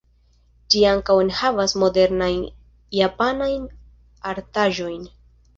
Ĝi ankaŭ enhavas modernajn japanajn artaĵojn.